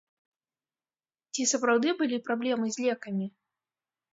Ці сапраўды былі праблемы з лекамі?